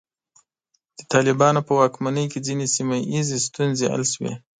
د طالبانو په واکمنۍ کې ځینې سیمه ییزې ستونزې حل شوې.